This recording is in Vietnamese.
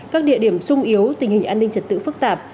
các địa điểm sung yếu tình hình an ninh trật tự phức tạp